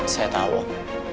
saya tahu om